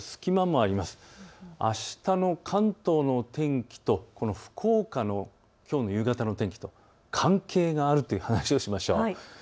あしたの関東の天気と福岡のきょうの夕方の天気、関係があるという話をしましょう。